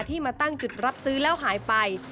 มาตั้งจุดรับซื้อแล้วหายไป